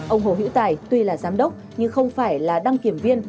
ông hồ hữu tài tuy là giám đốc nhưng không phải là đăng kiểm viên